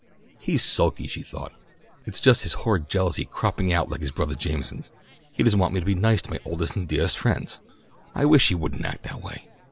"He's sulky," she thought. "It's just his horrid jealousy cropping out like his brothah Jameson's. He doesn't want me to be nice to my oldest and deahest friends. I wish he wouldn't act that way."